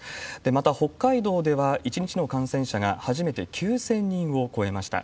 また、北海道では１日の感染者が初めて９０００人を超えました。